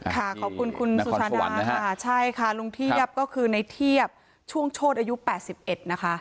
ขอบคุณคุณสุชาดาค่ะใช่ค่ะลุงเทียบก็คือในเทียบช่วงโชธอายุ๘๑นะคะ